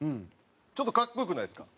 ちょっと格好良くないですか？